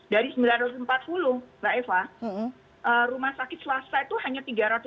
dari sembilan ratus empat puluh mbak eva rumah sakit swasta itu hanya tiga ratus lima puluh